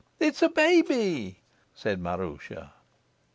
"It's a baby," said Maroosia.